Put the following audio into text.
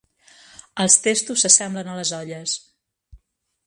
Els testos s'assemblen a les olles